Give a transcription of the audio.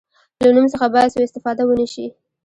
له نوم څخه باید سوء استفاده ونه شي.